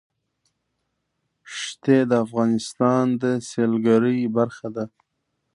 ښتې د افغانستان د سیلګرۍ برخه ده.